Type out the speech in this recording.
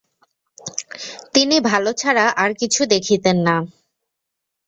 তিনি ভাল ছাড়া আর কিছু দেখিতেন না।